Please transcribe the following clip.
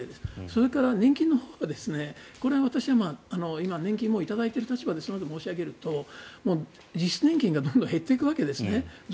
それから年金のほうはこれは私は年金を頂いている立場で申し上げると実質年金がどんどん増えていくわけですね。